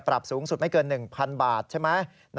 สูงสุดไม่เกิน๑๐๐๐บาทใช่ไหม